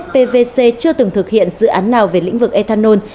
pvc chưa từng thực hiện dự án nào về lĩnh vực ethanol